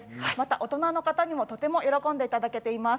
大人の方にもとても喜んでいただけています。